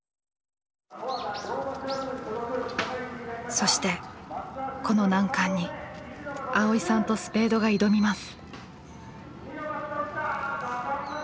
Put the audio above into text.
そしてこの難関に蒼依さんとスペードが挑みます。